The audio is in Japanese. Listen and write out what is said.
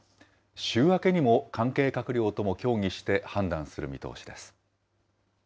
週明けにも関係閣僚とも協議して、判断する見通しです。